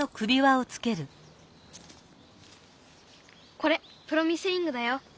これプロミスリングだよ。